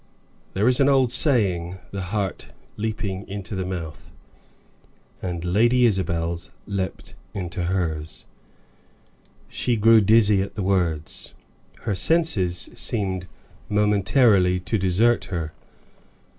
There is an old saying, "the heart leaping into the mouth;" and Lady Isabel's leaped into hers. She grew dizzy at the words her senses seemed momentarily to desert her.